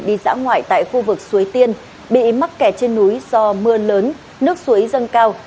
đi dã ngoại tại khu vực suối tiên bị mắc kẹt trên núi do mưa lớn nước suối dâng cao